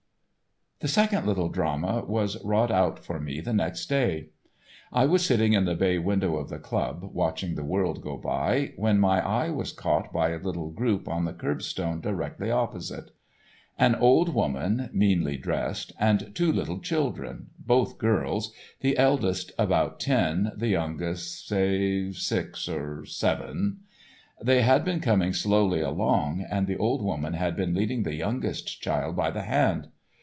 The second Little Drama was wrought out for me the next day. I was sitting in the bay window of the club watching the world go by, when my eye was caught by a little group on the curbstone directly opposite. An old woman, meanly dressed, and two little children, both girls, the eldest about ten, the youngest, say, six or seven. They had been coming slowly along, and the old woman had been leading the youngest child by the hand.